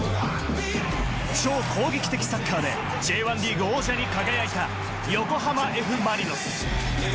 超攻撃的サッカーでＪ１リーグ王者に輝いた横浜Ｆ・マリノス。